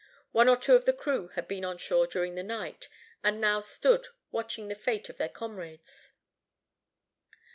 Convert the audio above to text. One or two of the crew had been on shore during the night, and now stood watching the fate of their comrades.